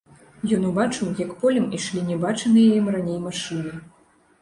Ён убачыў, як полем ішлі не бачаныя ім раней машыны.